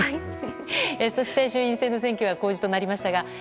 そして衆議院選挙が公示となりましたが「